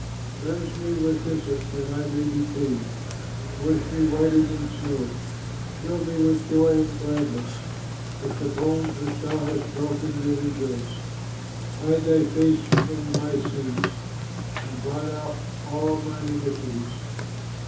Cleanse me with hyssop that I may be clean, Wash me whiter than snow. Fill me with joy and gladness, That the bones which thou hast broken may rejoice. Hide thy face from my sins, And blot out all mine iniquities.